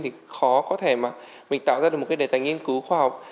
thì khó có thể mà mình tạo ra được một cái đề tài nghiên cứu khoa học